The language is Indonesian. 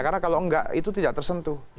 karena kalau enggak itu tidak tersentuh